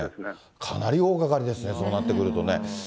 かなり大がかりですね、そうなってくるとね。